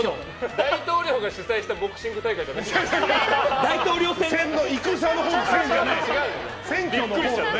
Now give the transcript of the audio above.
大統領が主催したボクシング大会じゃないですよね。